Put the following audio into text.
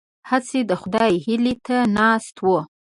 هسې د خدای هیلې ته ناست وو.